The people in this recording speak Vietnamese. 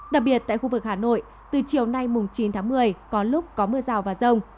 đặc biệt tại khu vực hà nội từ chiều nay chín tháng một mươi có lúc có mưa rào và rông